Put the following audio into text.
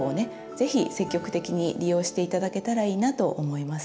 ぜひ積極的に利用して頂けたらいいなと思います。